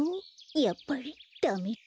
やっぱりダメだ。